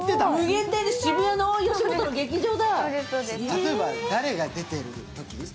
例えば誰が出ているときですか？